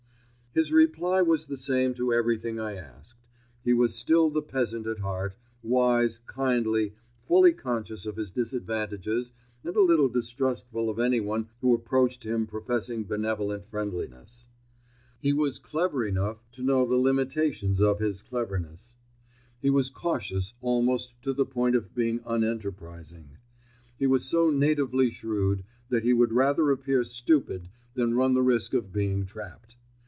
His reply was the same to everything I asked. He was still the peasant at heart, wise, kindly, fully conscious of his disadvantages and a little distrustful of anyone who approached him professing benevolent friendliness. He was clever enough to know the limitations of his cleverness. He was cautious almost to the point of being unenterprising. He was so natively shrewd, that he would rather appear stupid than run the risk of being trapped.